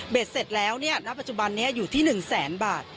เบ็ดเสร็จแล้วณปัจจุบันนี้อยู่ที่๑๐๐๐๐๐บาท